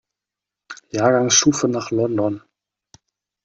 Jahrgangsstufe nach London.